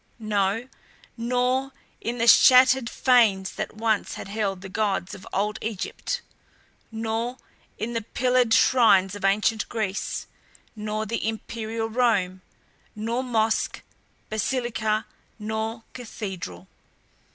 No nor in the shattered fanes that once had held the gods of old Egypt, nor in the pillared shrines of Ancient Greece, nor Imperial Rome, nor mosque, basilica nor cathedral.